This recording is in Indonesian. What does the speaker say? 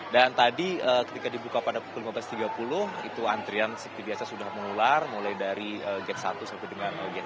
dan tadi ketika dibuka pada pukul lima belas tiga puluh itu antrian seperti biasa sudah menular mulai dari g satu sampai dengan g sembilan